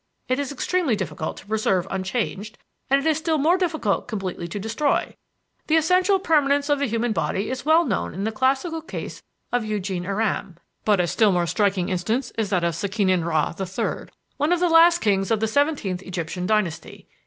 It is extremely difficult to preserve unchanged, and it is still more difficult completely to destroy. The essential permanence of the human body is well shown in the classical case of Eugene Aram; but a still more striking instance is that of Sekenen Ra the Third, one of the last kings of the seventeenth Egyptian dynasty.